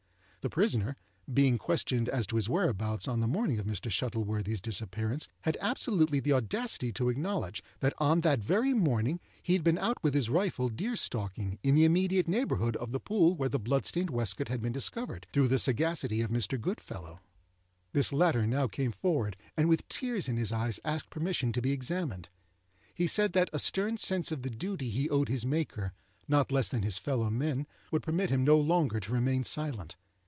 The prisoner, being questioned as to his whereabouts on the morning of Mr. Shuttleworthy's disappearance, had absolutely the audacity to acknowledge that on that very morning he had been out with his rifle deer stalking, in the immediate neighbourhood of the pool where the blood stained waistcoat had been discovered through the sagacity of Mr. Goodfellow. This latter now came forward, and, with tears in his eyes, asked permission to be examined. He said that a stern sense of the duty he owed his Maker, not less than his fellow men, would permit him no longer to remain silent.